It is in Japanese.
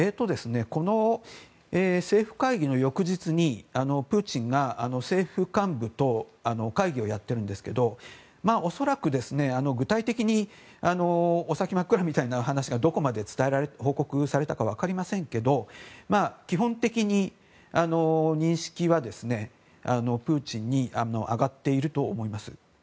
この政府会議の翌日にプーチンが政府幹部と会議をやっているんですけど恐らく、具体的にお先真っ暗みたいな話がどこまで報告されたかは分かりませんけれども基本的に認識はプーチンに上がっていると思います。